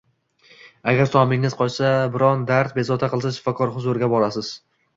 Agar tobingiz qochsa, biron dard bezovta qilsa, shifokor huzuriga borasiz.